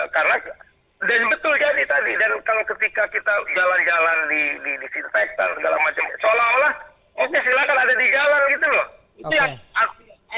karena dan betul tadi dan ketika kita jalan jalan di disinfeksi segala macam seolah olah oke silahkan ada di jalan gitu loh